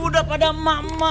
udah pada mama